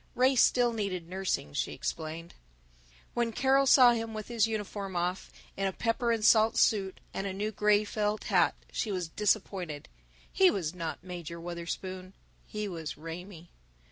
Ray still needed nursing, she explained. When Carol saw him with his uniform off, in a pepper and salt suit and a new gray felt hat, she was disappointed. He was not Major Wutherspoon; he was Raymie.